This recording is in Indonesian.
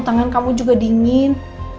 tangan kamu juga dingin